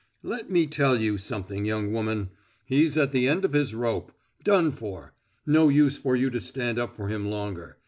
"Let me tell you something, young woman: he's at the end of his rope. Done for! No use for you to stand up for him longer.